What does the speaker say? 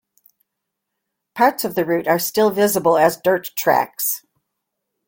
Parts of the route are still visible as dirt tracks.